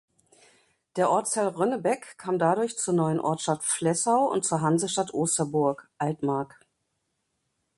Der Ortsteil Rönnebeck kam dadurch zur neuen Ortschaft Flessau und zur Hansestadt Osterburg (Altmark).